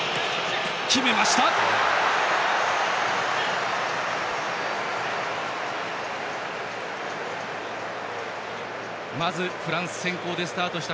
決めました！